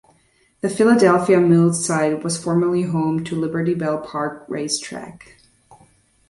The Philadelphia Mills site was formerly home to Liberty Bell Park Racetrack.